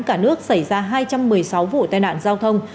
cả nước xảy ra hai trăm một mươi sáu vụ tai nạn giao thông